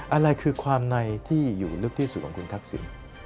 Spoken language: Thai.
อะไรคือความในที่อยู่ลึกที่สุดของคุณทักษิณ